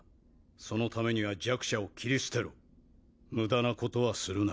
そのためには弱者を切り捨てろ無駄なことはするな。